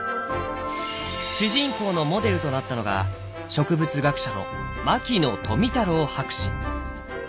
主人公のモデルとなったのが植物学者の牧野富太郎博士。